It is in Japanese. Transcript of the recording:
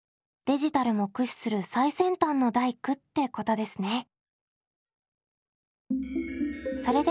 デジタルも駆使する最先端の大工ってことですね。